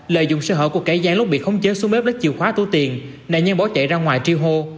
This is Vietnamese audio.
lợi dụng sở hữu của cải giang lúc bị khống chế xuống bếp đất chiều khóa tủ tiền nạn nhân bỏ chạy ra ngoài triêu hô